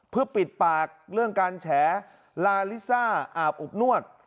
เพื่อปิดปากเรื่องการแฉลาลิซ่าอาบอบนวด